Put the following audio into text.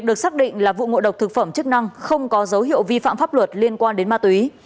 được xác định là vụ ngộ độc thực phẩm chức năng không có dấu hiệu vi phạm pháp luật liên quan đến ma túy